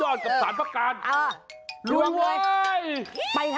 ไม่ใช่แม่งมันต้องมี